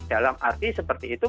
dalam arti seperti itu